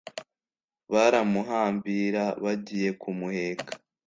baramuhambira bagiye kumuheka